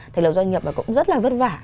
doanh nghiệp mà cũng rất là vất vả